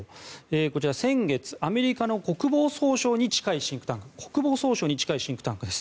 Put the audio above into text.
こちら先月、アメリカの国防総省に近いシンクタンク国防総省に近いシンクタンクです。